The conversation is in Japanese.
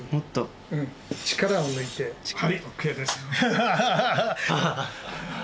力を抜いて、はいＯＫです。